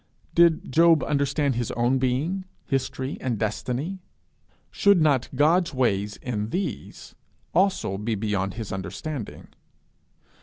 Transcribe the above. Did he understand his own being, history, and destiny? Should not God's ways in these also be beyond his understanding?